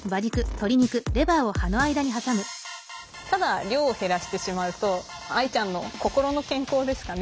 ただ量を減らしてしまうと愛ちゃんの心の健康ですかね。